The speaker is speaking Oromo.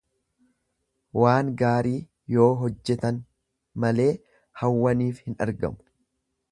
Waan gaarii yoo hojjetan malee hawwaniif hin argamu.